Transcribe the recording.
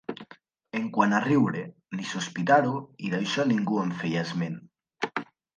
En quant a riure, ni sospitar-ho, i d'això ningú en feia esment